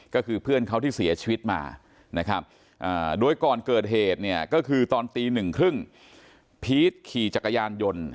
ก็คือเพื่อนเขาที่เสียชีวิตมานะครับโดยก่อนเกิดเหตุเนี่ยก็คือตอนตีหนึ่งครึ่งพีชขี่จักรยานยนต์